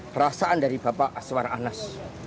perasaan dari bapak aswar anas